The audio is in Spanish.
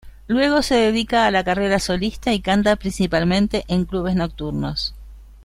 Luego se dedica a la carrera solista y canta principalmente en clubes nocturnos.